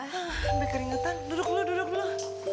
ambil keringetan duduk dulu duduk dulu